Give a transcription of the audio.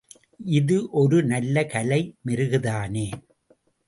இது ஒரு நல்ல கலை மெருகுதானே?